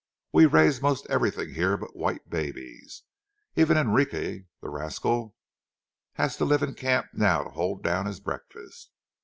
We raise most everything here but white babies. Even Enrique, the rascal, has to live in camp now to hold down his breakfast.